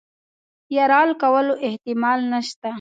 یرغل کولو احتمال نسته.